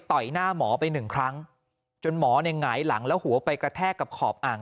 ต่อยหน้าหมอไป๑ครั้งจนหมอไหนหลังแล้วหัวไปกระแทกกับขอบอ่าง